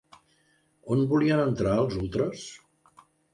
On volien entrar els ultres?